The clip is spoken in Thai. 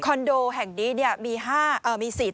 คอนโดแห่งนี้เนี่ยมี๔ตึกด้วยกัน